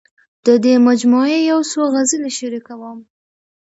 د دې مجموعې یو څو غزلې شریکوم.